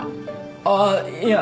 ああいや